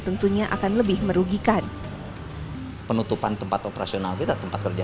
tentunya akan lebih merugikan penutupan tempat operasional kita tempat kerja